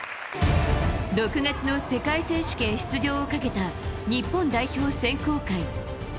６月の世界選手権出場をかけた日本代表選考会。